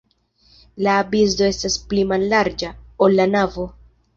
La absido estas pli mallarĝa, ol la navo.